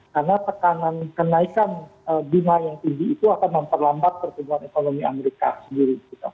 karena tekanan kenaikan bunga yang tinggi itu akan memperlambat pertumbuhan ekonomi amerika sendiri